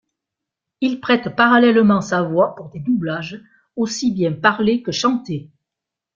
Il prête parallèlement sa voix pour des doublages, aussi bien parlés que chantés.